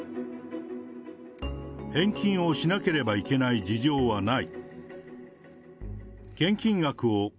返金をしなければいけない事情はない。